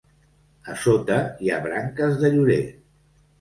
A sota hi ha branques de llorer.